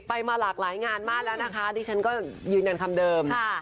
มาหลากหลายงานมากแล้วนะคะดิฉันก็ยืนยันคำเดิม